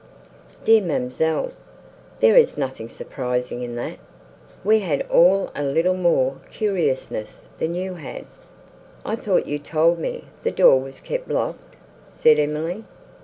"Dear, ma'amselle, there is nothing surprising in that; we had all a little more curiousness than you had." "I thought you told me, the door was kept locked?" said Emily.